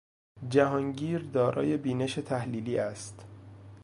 جهانگیر دارای بینش تحلیلی است.